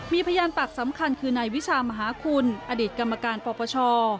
มีพยานปากสำคัญคือนายวิชามหาคุณอดีตกรรมการปปช